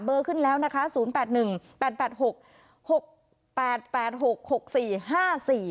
เบอร์ขึ้นแล้วนะคะสูญแปดหนึ่งแปดแปดหกหกแปดหกหกสี่ห้าสี่